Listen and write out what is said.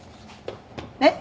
えっ！？